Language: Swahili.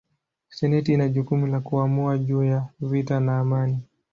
Senati ina jukumu la kuamua juu ya vita na amani.